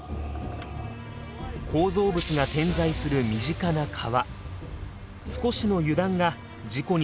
構造物が点在する身近な川。